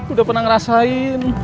udah pernah ngerasain